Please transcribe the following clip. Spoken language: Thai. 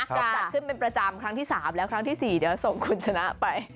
จัดขึ้นเป็นประจำครั้งที่๓แล้วครั้งที่๔เดี๋ยวส่งคุณชนะไป